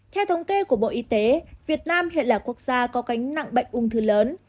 theo thống kê của bộ y tế việt nam hiện là quốc gia có cánh nặng bệnh ung thư lớn